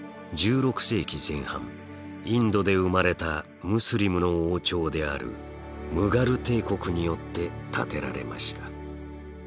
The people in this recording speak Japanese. １６世紀前半インドで生まれたムスリムの王朝であるムガル帝国によって建てられました。